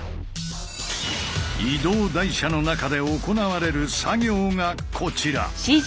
移動台車の中で行われる作業がこちら！